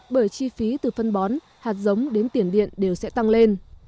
bởi chi phí từ phân bón hạt giống đến tiền điện đều sẽ tăng lên